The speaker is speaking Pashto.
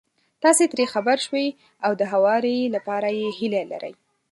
تاسې ترې خبر شوي او د هواري لپاره يې هيله لرئ.